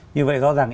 như vậy rõ ràng